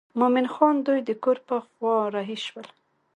مومن خان دوی د کور پر خوا رهي شول.